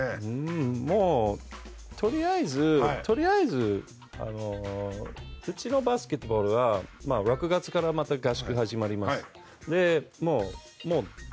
もうとりあえずうちのバスケットボールは６月から合宿が始まります。